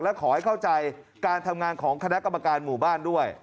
และขอให้เข้าใจการทำงานของคณะกรรมการหมู่บ้านด้วย